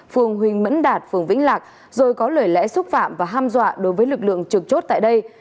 phường huỳnh mẫn đạt phường vĩnh lạc rồi có lời lẽ xúc phạm và ham dọa đối với lực lượng trực chốt tại đây